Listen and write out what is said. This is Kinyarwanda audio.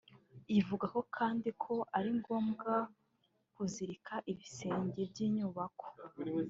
Ivuga kandi ko ari ngombwa kuzirika ibisenge by’inyubako